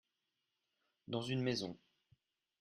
Dans une maison.